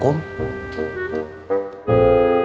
kau mau ngapain